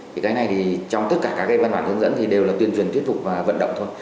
thì cái này thì trong tất cả các cái văn bản hướng dẫn thì đều là tuyên truyền thuyết phục và vận động thôi